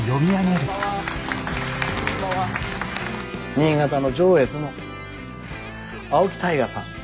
新潟の上越の青木大河さん。